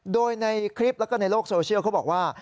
โดยในคลิปแล้วก็ในโลกโซเชียลเขาบอกว่า